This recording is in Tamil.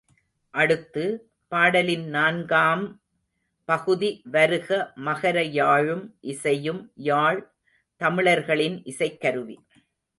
அடுத்து, பாடலின் நான்காம் பகுதி வருக மகர யாழும் இசையும் யாழ் தமிழர்களின் இசைக்கருவி.